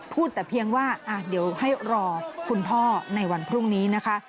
พูดแต่เพียงว่าเดี๋ยวให้รอคุณพ่อในวันพรุ่งนี้นะคะ